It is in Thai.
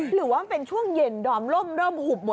หรือว่ามันเป็นช่วงเย็นดอมร่มเริ่มหุบหมด